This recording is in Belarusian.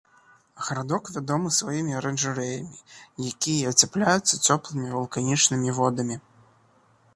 Гарадок вядомы сваімі аранжарэямі, якія ацяпляюцца цёплымі вулканічнымі водамі.